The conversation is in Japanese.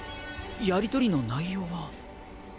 やりとりの内容は。